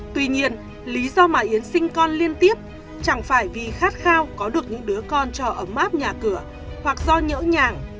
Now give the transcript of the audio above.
tuy nhiên lý do mà yến sinh con liên tiếp chẳng phải vì khát khao có được những đứa con cho ấm áp nhà cửa hoặc do nhỡ nhàng